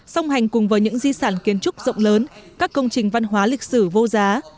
song hành cùng với những di sản kiến trúc rộng lớn các công trình văn hóa lịch sử vô giá